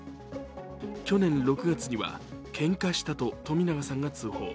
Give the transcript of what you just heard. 去年６月には、けんかしたと冨永さんが通報。